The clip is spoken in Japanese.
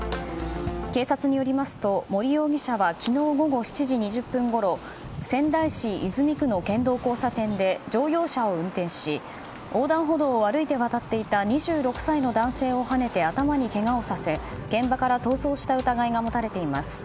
警察によりますと森容疑者は昨日午後７時２０分ごろ仙台市泉区の県道交差点で乗用車を運転し横断歩道を歩いて渡っていた２６歳の男性をはねて頭にけがをさせ現場から逃走した疑いが持たれています。